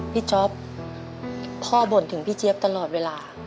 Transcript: จ๊อปพ่อบ่นถึงพี่เจี๊ยบตลอดเวลา